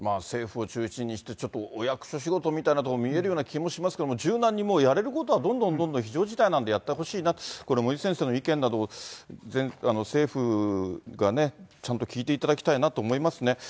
政府を中心にして、ちょっとお役所仕事みたいなことも見えるような気もしますけど、柔軟に、やれることはどんどんどんどん非常事態なんで、やってほしいなと、これ、森内先生の意見などを、政府がね、ちゃんと聞いていただきたいなと思いますね。